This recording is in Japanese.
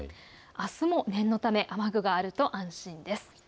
あすも念のため雨具があると安心です。